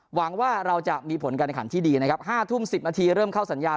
หวังว่าเราจะมีผลการแข่งขันที่ดีนะครับ๕ทุ่ม๑๐นาทีเริ่มเข้าสัญญา